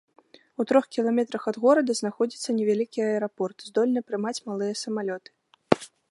У трох кіламетрах ад горада знаходзіцца невялікі аэрапорт, здольны прымаць малыя самалёты.